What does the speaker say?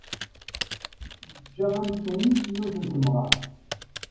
Yeǧǧa amkan-is i yiwet n temɣart.